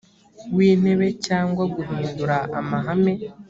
w intebe cyangwa guhindura amahame